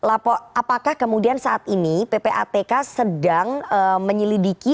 apakah kemudian saat ini ppatk sedang menyelidiki